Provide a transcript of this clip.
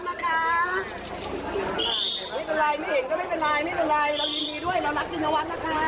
เรารักจินวัฒน์นะคะ